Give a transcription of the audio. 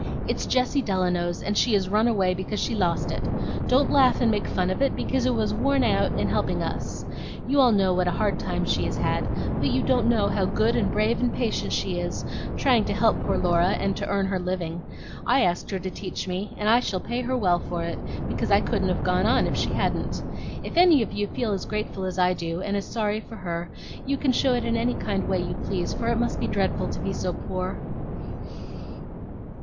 It's Jessie Delano's, and she has run away because she lost it. Don't laugh and make fun of it, because it was worn out in helping us. You all know what a hard time she has had, but you don't know how good and brave and patient she is, trying to help poor Laura and to earn her living. I asked her to teach me, and I shall pay her well for it, because I couldn't have gone on if she hadn't. If any of you feel as grateful as I do, and as sorry for her, you can show it in any kind way you please, for it must be dreadful to be so poor."